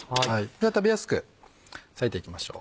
では食べやすく裂いていきましょう。